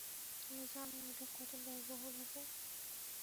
তুমি জানো এটা কত ব্যয়বহুল হবে?